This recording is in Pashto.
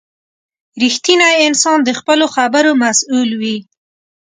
• رښتینی انسان د خپلو خبرو مسؤل وي.